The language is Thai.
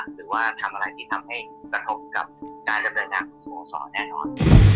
หรือว่าทำอะไรที่ทำให้กระทบกับการดำเนินงานของสโมสรแน่นอน